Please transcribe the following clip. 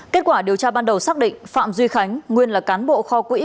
kết quả điều tra ban đầu xác định phạm duy khánh nguyên là cán bộ kho quỹ